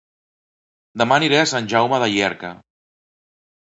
Dema aniré a Sant Jaume de Llierca